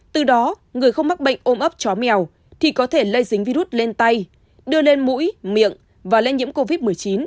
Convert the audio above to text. từ đó người không mắc bệnh ôm ấp chó mèo thì có thể lây dính virus lên tay đưa lên mũi miệng và lây nhiễm covid một mươi chín